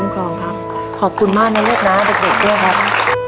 ขอขอบคุณมากนะเล็กนะเด็กด้วยครับ